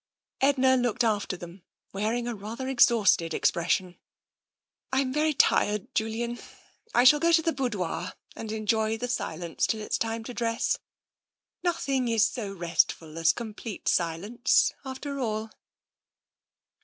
Edna looked after them, wearing a rather exhausted expression. 44 TENSION " I am very tired, Julian. I shall go to the boudoir and enjoy the silence till it's time to dress. Nothing is so restful as complete silence, after all."